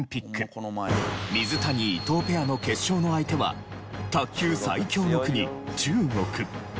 水谷・伊藤ペアの決勝の相手は卓球最強の国中国。